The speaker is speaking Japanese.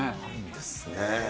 ですね。